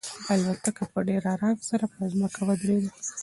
الوتکه په ډېر ارام سره په ځمکه ودرېده.